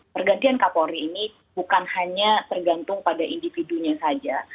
pergantian kapolri ini bukan hanya tergantung pada individunya saja